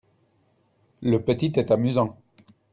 Le petit est amusant.